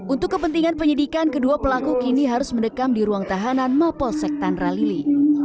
untuk kepentingan penyidikan kedua pelaku kini harus mendekam di ruang tahanan mapolsek tanralili